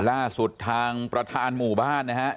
ล่าสุดทางประธานหมู่บ้านนะครับ